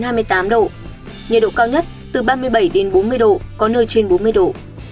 nhiệt độ cao nhất từ ba mươi bảy đến bốn mươi độ có nơi trên bốn mươi độ